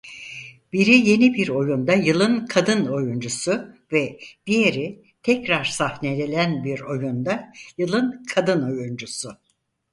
Biri Yeni Bir Oyunda Yılın Kadın Oyuncusu ve diğeri Tekrar Sahnelenen Bir Oyunda Yılın Kadın Oyuncusu.